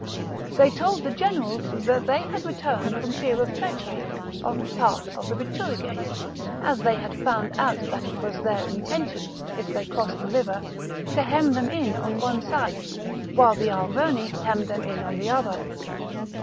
They told the generals that they had returned from fear of treachery on the part of the Bituriges, as they had found out that it was their intention, if they crossed the river, to hem them in on one side, while the Arverni hemmed them in on the other.